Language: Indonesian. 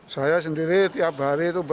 saya sendiri tiap hari itu